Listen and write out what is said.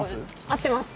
合ってます。